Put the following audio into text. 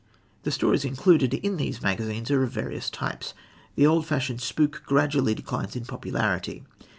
The stories included in these magazines are of various types. The old fashioned spook gradually declines in popularity.